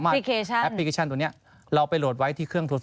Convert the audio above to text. แอปพลิเคชันตัวนี้เราไปโหลดไว้ที่เครื่องโทรศ